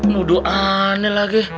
nuduh aneh lagi